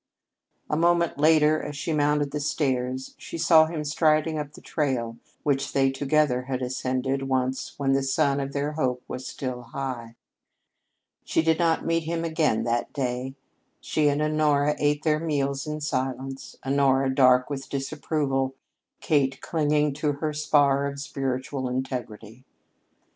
A moment later, as she mounted the stairs, she saw him striding up the trail which they, together, had ascended once when the sun of their hope was still high. She did not meet him again that day. She and Honora ate their meals in silence, Honora dark with disapproval, Kate clinging to her spar of spiritual integrity.